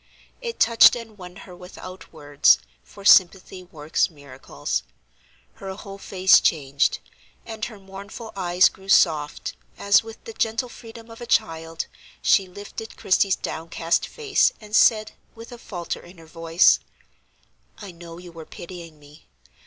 It touched and won her without words, for sympathy works miracles. Her whole face changed, and her mournful eyes grew soft as with the gentle freedom of a child she lifted Christie's downcast face and said, with a falter in her voice: "I know you were pitying me.